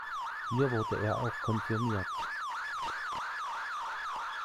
Hier wurde er auch konfirmiert.